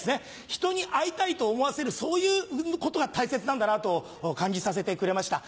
人に会いたいと思わせるそういうことが大切なんだなと感じさせてくれました